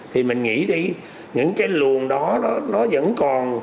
thì mình nghĩ đi những cái luồng đó nó vẫn còn